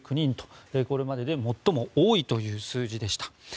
これまでで最も多いという数字でした。